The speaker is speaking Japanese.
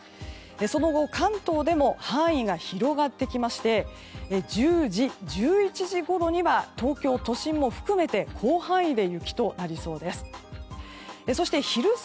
その後、関東でも範囲が広がってきまして１０時、１１時頃には東京都心も含めて広範囲で雪となりそうです。